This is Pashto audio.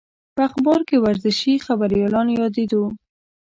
په اخبار کې ورزشي خبریالان یادېدو.